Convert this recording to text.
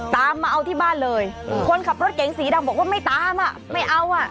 ตามมาเอาที่บ้านเลยคนขับรถเก๋งสีดำบอกว่าไม่ตามอ่ะไม่เอาอ่ะ